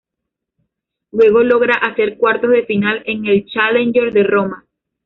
Luego logra hacer cuartos de final en el Challenger de Roma.